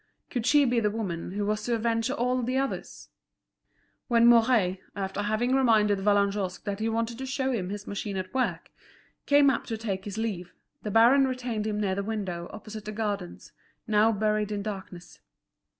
Could she be the woman who was to avenge all the others? When Mouret, after having reminded Vallagnosc that he wanted to show him his machine at work, came up to take his leave, the baron retained him near the window opposite the gardens, now buried in darkness.